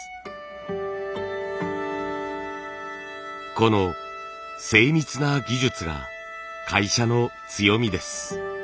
この精密な技術が会社の強みです。